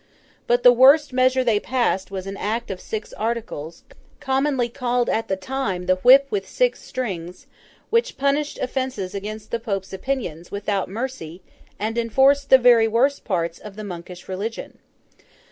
But the worst measure they passed was an Act of Six Articles, commonly called at the time 'the whip with six strings;' which punished offences against the Pope's opinions, without mercy, and enforced the very worst parts of the monkish religion.